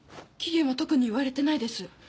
期限は特に言われてないです。